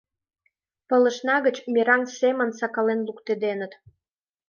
Пылышна гыч мераҥ семын сакален луктеденыт...